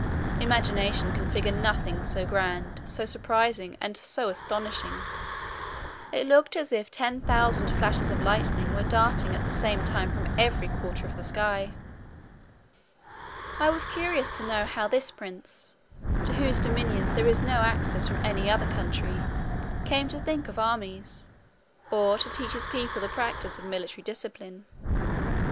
Imagination can figure nothing so grand, so surprising, and so astonishing! It looked as if ten thousand flashes of lightning were darting at the same time from every quarter of the sky. I was curious to know how this prince, to whose dominions there is no access from any other country, came to think of armies, or to teach his people the practice of military discipline.